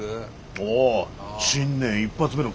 おお新年一発目の景気